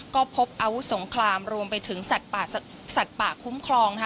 ก็พบอาวุธสงครามรวมไปถึงสัตว์ป่าคุ้มครอง